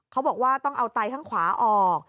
เขาบอกว่าต้องเอาไตข้างขวาออก